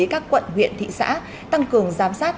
các quận huyện thị xã tăng cường giám sát